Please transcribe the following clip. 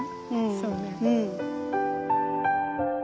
そうね。